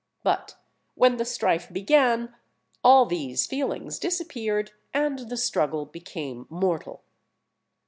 But when the strife began, all these feelings disappeared, and the struggle became mortal.